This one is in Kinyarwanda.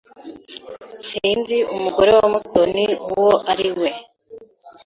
Sinzi umugore wa Mutoni uwo ari we.